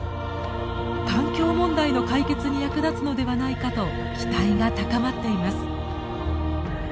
環境問題の解決に役立つのではないかと期待が高まっています。